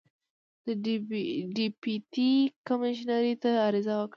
د ډیپټي کمیشنر ته عریضه وکړه.